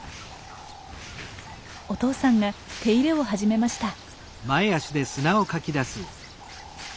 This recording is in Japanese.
お父さんが手入れを始めました。